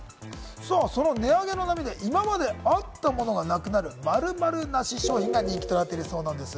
その値上げの波に今まであったものがなくなる「〇〇なし商品」が人気となっているそうなのです。